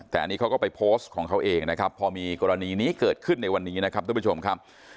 แต่อันนี้เขาก็ไปโพสต์ของเขาเองนะครับพอมีกรณีนี้เกิดขึ้นในวันนี้นะครับทุกผู้ชมครับ